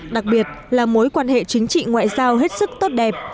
đặc biệt là mối quan hệ chính trị ngoại giao hết sức tốt đẹp